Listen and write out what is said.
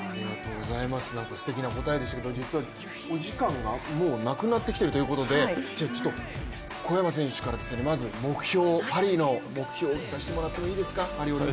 すてきな答えでしたけどもお時間がもうなくなってきているということで小山選手からパリの目標を聞かせてもらっていいですか。